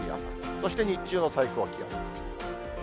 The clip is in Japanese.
そして日中の最高気温。